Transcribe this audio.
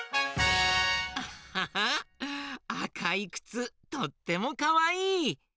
アハハあかいくつとってもかわいい。